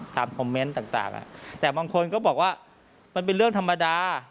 คอมเมนต์ต่างแต่บางคนก็บอกว่ามันเป็นเรื่องธรรมดา